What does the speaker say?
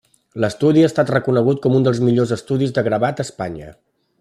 L'estudi ha estat reconegut com un dels millors estudis de gravat a Espanya.